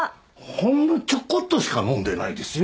ほんのちょこっとしか飲んでないですよ。